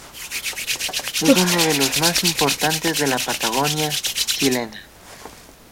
Es uno de los más importantes de la Patagonia, chilena.